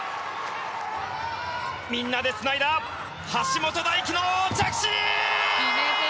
みんなでつないだ橋本大輝の着地！